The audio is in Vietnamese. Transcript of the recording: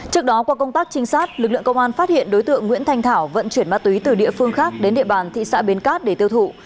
trước đó qua công tác trinh sát lực lượng công an phát hiện đối tượng nguyễn thanh thảo vận chuyển ma túy từ địa phương khác đến địa bàn thị xã bến cát để tiêu thụ